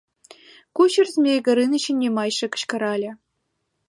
— кучер Змей Горынычын йымачше кычкырале.